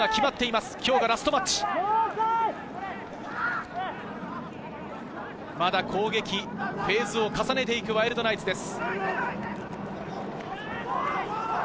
まだ攻撃、フェーズを重ねていくワイルドナイツです。